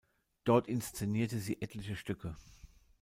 Dort inszenierte sie etliche Stücke.